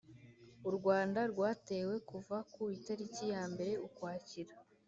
u rwanda rwatewe kuva ku itariki ya mbere ukwakira